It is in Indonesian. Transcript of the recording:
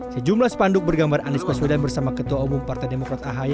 sejumlah spanduk bergambar anies baswedan bersama ketua umum partai demokrat ahy